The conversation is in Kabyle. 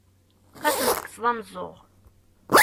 Ad asen-tekkseḍ ameẓẓuɣ!